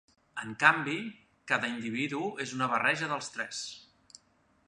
En canvi, cada individu és una barreja dels tres.